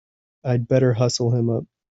I'd better hustle him up!